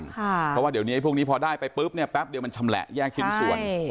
เพราะว่าเดี๋ยวนี้พวกนี้พอได้ไปปุ๊บเนี่ยแป๊บเดียวมันชำแหละแยกชิ้นส่วน